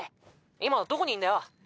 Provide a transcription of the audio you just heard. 今どこにいんだよ？